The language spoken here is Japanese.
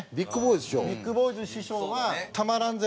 ビックボーイズ師匠は『たまらんぜ！』